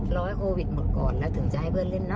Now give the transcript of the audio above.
รอให้โควิดหมดก่อนแล้วถึงจะให้เพื่อนเล่นนะ